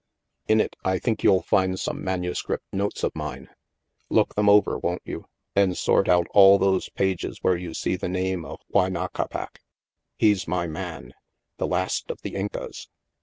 In it, I think you'll find some manu script notes of mine. Look them over, won't you. THE MAELSTROM 251 and sort out all those sheets where you see the name Huayna Capac. He's my man. The last of the Incas.